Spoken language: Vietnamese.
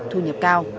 thu nhập cao